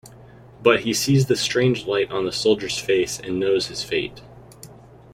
But he sees the strange light on the soldier's face and knows his fate.